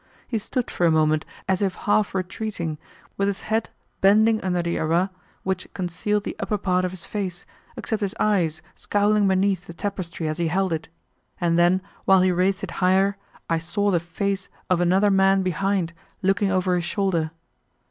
He stood for a moment as if half retreating, with his head bending under the arras which concealed the upper part of his face except his eyes scowling beneath the tapestry as he held it; and then, while he raised it higher, I saw the face of another man behind, looking over his shoulder.